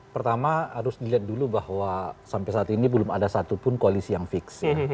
pertama harus dilihat dulu bahwa sampai saat ini belum ada satupun koalisi yang fix